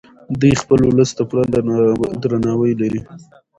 دی خپل ولس ته پوره درناوی لري.